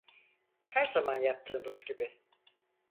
Her zaman yaptığımız gibi.